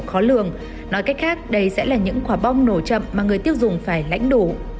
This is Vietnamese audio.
khó lường nói cách khác đây sẽ là những quả bom nổ chậm mà người tiêu dùng phải lãnh đủ